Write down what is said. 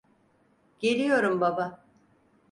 Geliyorum baba.